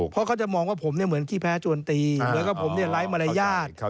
เพราะเขาจะมองว่าผมเหมือนขี้แพ้จวนตีเหมือนกับผมไร้มารยาท